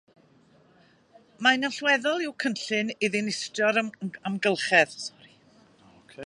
Mae'n allweddol i'w cynllun i ddinistrio'r amgylchedd.